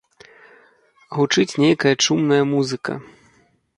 Гучыць нейкая чумная музыка.